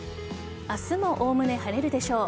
明日もおおむね晴れるでしょう。